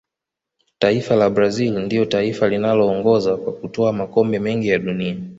taifa la brazil ndiyo taifa linaloongoza kwa kutwaa makombe mengi ya dunia